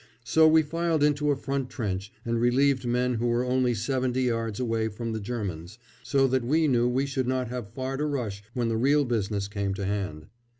So we filed into a front trench and relieved men who were only seventy yards away from the Germans, so that we knew we should not have far to rush when the real business came to hand.